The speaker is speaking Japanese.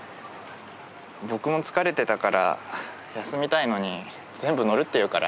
僕も疲れてたから休みたいのに全部乗るっていうから。